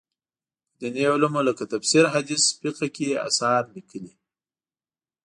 په دیني علومو لکه تفسیر، حدیث، فقه کې یې اثار لیکلي.